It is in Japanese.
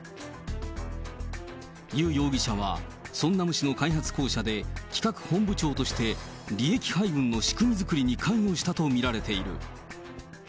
ユ容疑者はソンナム市の開発公社で、企画本部長として、利益配分の仕組み作りに関与したと見られている。